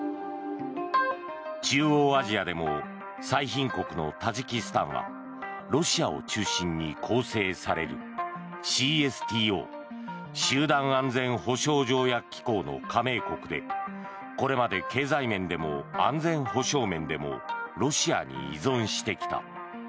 中央アジアでも最貧国のタジキスタンはロシアを中心に構成されるＣＳＴＯ・集団安全保障条約機構の加盟国でこれまで経済面でも安全保障面でもロシアに依存してきた。